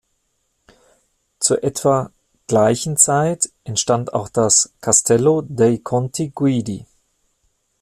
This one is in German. Zur etwa gleichen Zeit entstand auch das "Castello dei Conti Guidi".